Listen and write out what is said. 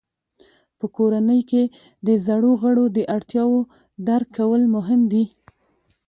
په کورنۍ کې د زړو غړو د اړتیاوو درک کول مهم دي.